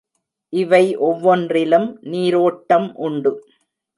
இவை ஒவ்வொன்றிலும் நீரோட்டம் உண்டு.